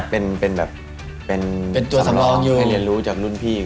เป็นตัวสัมลองให้เรียนรู้จากรุ่นพี่